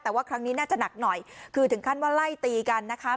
แต่ว่าครั้งนี้น่าจะหนักหน่อยคือถึงขั้นว่าไล่ตีกันนะคะ